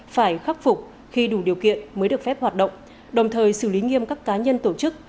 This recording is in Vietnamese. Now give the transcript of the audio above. phải khắc phục khi đủ điều kiện mới được phép hoạt động đồng thời xử lý nghiêm các cá nhân tổ chức